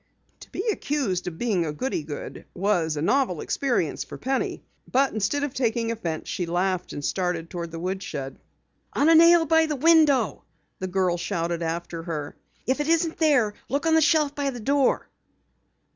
To be accused of being a "goody good" was a novel experience for Penny. But instead of taking offense she laughed and started toward the woodshed. "On a nail by the window!" the girl shouted after her. "If it isn't there look on the shelf by the door."